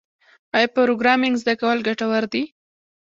آیا پروګرامینګ زده کول ګټور دي؟